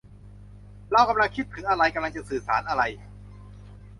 เรากำลังคิดถึงอะไร กำลังจะสื่อสารอะไร